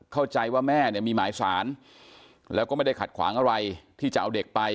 เข้าใจว่าแม่เนี่ยมีหมายสารแล้วก็ไม่ได้ขัดขวางอะไรที่จะเอาเด็กไป